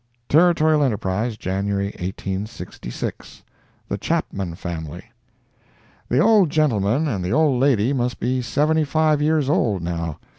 Territorial Enterprise, January 1866 THE CHAPMAN FAMILY The old gentleman and the old lady must be seventy five years old, now.